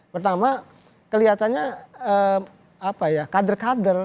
pertama kelihatannya apa ya kader kader